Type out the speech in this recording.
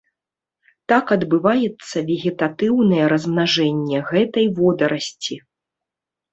Так адбываецца вегетатыўнае размнажэнне гэтай водарасці.